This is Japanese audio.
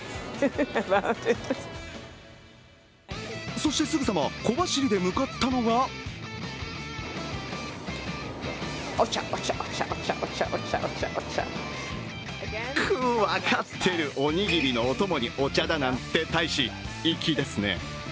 そしてすぐさま小走りで向かったのがくっ、分かってる、おにぎりのお供にお茶なんて大使、粋ですね。